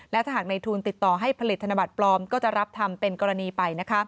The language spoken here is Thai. และถ้าหากในทุนติดต่อให้ผลิตธนบัตรปลอมก็จะรับทำเป็นกรณีไป